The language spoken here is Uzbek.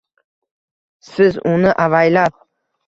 Siz uni avaylab